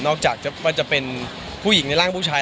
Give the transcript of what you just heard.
จากว่าจะเป็นผู้หญิงในร่างผู้ชาย